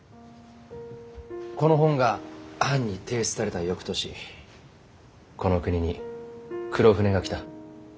この本が藩に提出されたよくとしこの国に黒船が来た。